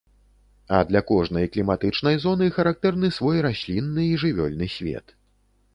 А для кожнай кліматычнай зоны характэрны свой раслінны і жывёльны свет.